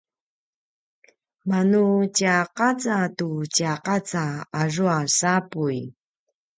manu tjaqaca tu tjaqaca azua sapuy